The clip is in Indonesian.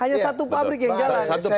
hanya satu pabrik yang jalan